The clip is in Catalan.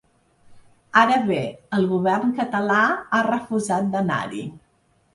Ara bé, el govern català ha refusat d’anar-hi.